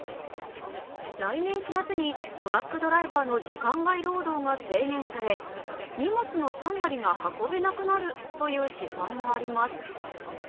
来年４月にトラックドライバーの時間外労働が制限され、荷物の３割が運べなくなるという試算もあります。